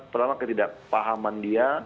terlalu ketidakpahaman dia